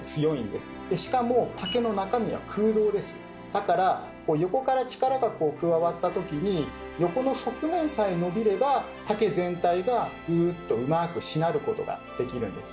だから横から力がこう加わった時に横の側面さえ伸びれば竹全体がグーッとうまくしなることができるんです。